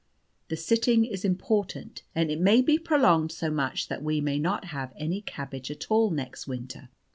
The sitting is important, and it may be prolonged so much that we may not have any cabbage at all next winter.